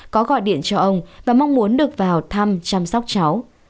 có gọi điện cho ông và mong muốn được vào thăm chăm sóc cháu